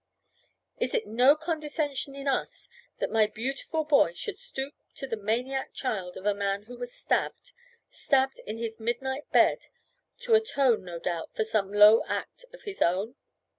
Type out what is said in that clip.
"Is it no condescension in us that my beautiful boy should stoop to the maniac child of a man who was stabbed stabbed in his midnight bed to atone, no doubt, for some low act of his own?"